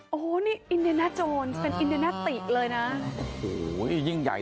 โอ้โหนี่อินเดียน่าโจรเป็นอินเดียนาติเลยนะโอ้โหยิ่งใหญ่